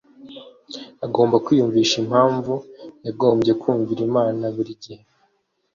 agomba kwiyumvisha impamvu yagombye kumvira imana buri gihe